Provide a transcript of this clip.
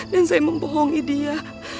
dan saya membohongi dia